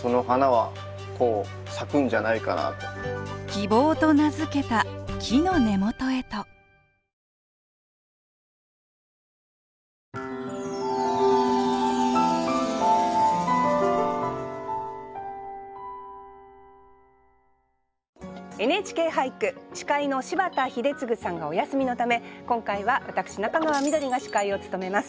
「希望」という木の根本へ埋めてあげれば「ＮＨＫ俳句」司会の柴田英嗣さんがお休みのため今回は私中川緑が司会を務めます。